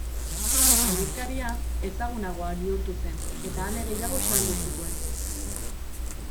Aldizkaria ezagunagoa bihurtu zen eta ale gehiago saldu zituen.